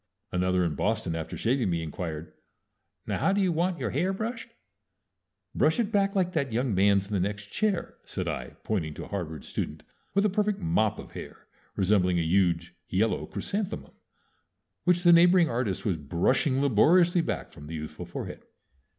Another in Boston, after shaving me, inquired, "Now how do you want your hair brushed?" "Brush it back like that young man's in the next chair," said I, pointing to a Harvard student with a perfect mop of hair, resembling a huge yellow chrysanthemum, which the neighboring artist was brushing laboriously back from the youthful forehead.